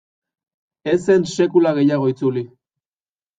Ez zen sekula gehiago itzuli.